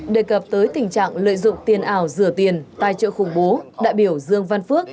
đề cập tới tình trạng lợi dụng tiền ảo rửa tiền tài trợ khủng bố đại biểu dương văn phước